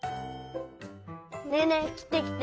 ねえねえきてきて！